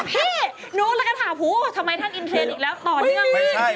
เห้นู้นและถ่าผู้ทำไมท่านบ้รรยายอีกแล้วต่อเนื่อง